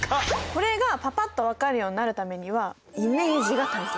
これがパパっと分かるようになるためにはイメージが大切。